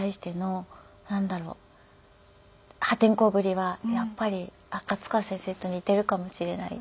破天荒ぶりはやっぱり赤塚先生と似ているかもしれない。